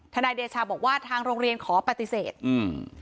นายเดชาบอกว่าทางโรงเรียนขอปฏิเสธอืม